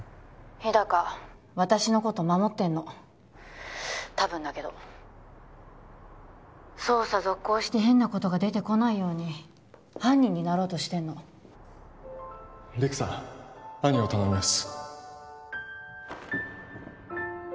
日高私のこと守ってんの☎たぶんだけど捜査続行して変なことが出てこないように犯人になろうとしてんの陸さん兄を頼みます